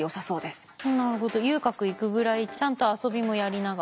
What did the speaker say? なるほど遊郭行くぐらいちゃんと遊びもやりながら。